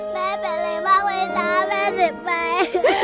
แม่เป็นอะไรบ้างไว้จ๋าแม่เสียไป